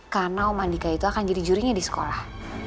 karena om adika itu akan jadi jurinya di sekolah